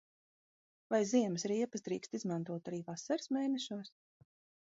Vai ziemas riepas drīkst izmantot arī vasaras mēnešos?